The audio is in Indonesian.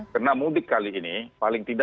karena mudik kali ini paling tiga